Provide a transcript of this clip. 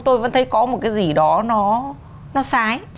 tôi vẫn thấy có một cái gì đó nó sái